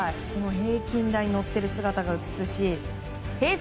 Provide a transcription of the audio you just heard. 平均台に乗っている姿が美しいＨｅｙ！